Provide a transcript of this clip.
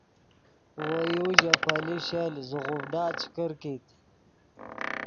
وو یو ژے پیلے شل زوغوڤڈا چے کرکیت